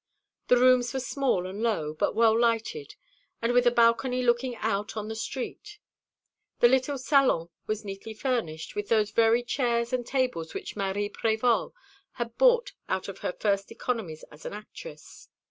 The rooms were small and low, but well lighted, and with a balcony looking out on the street. The little salon was neatly furnished, with those very chairs and tables which Marie Prévol had bought out of her first economies as an actress.